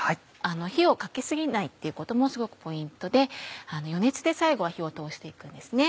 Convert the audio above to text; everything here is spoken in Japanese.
火をかけ過ぎないっていうこともすごくポイントで余熱で最後は火を通して行くんですね。